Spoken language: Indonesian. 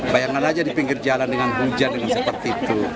bayangkan aja di pinggir jalan dengan hujan dengan seperti itu